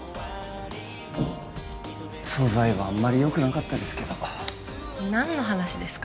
素材はあんまりよくなかったですけど何の話ですか？